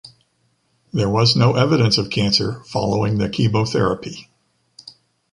There was no evidence of cancer following the chemotherapy.